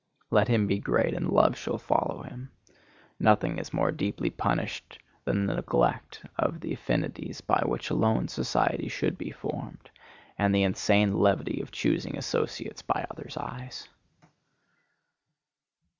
Let him be great, and love shall follow him. Nothing is more deeply punished than the neglect of the affinities by which alone society should be formed, and the insane levity of choosing associates by others' eyes.